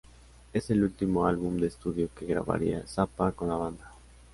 Es el último álbum de estudio que grabaría Zappa con la banda.